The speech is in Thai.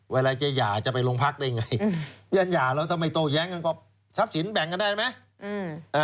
เวลาจะหย่าจะไปโรงพักได้ไงยันหย่าแล้วถ้าไม่โต้แย้งกันก็ทรัพย์สินแบ่งกันได้ไหม